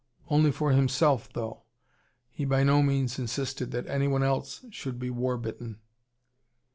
Only for himself, though. He by no means insisted that anyone else should be war bitten.